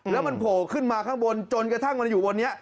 แล้วมันโผล่ขึ้นมาข้างบนจนกระทั่งมันอยู่บนนี้